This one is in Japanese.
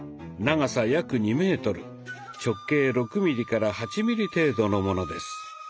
長さ約２メートル直径６ミリから８ミリ程度のものです。